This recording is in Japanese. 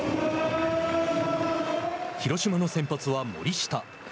広島の先発は森下。